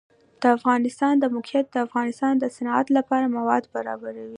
د افغانستان د موقعیت د افغانستان د صنعت لپاره مواد برابروي.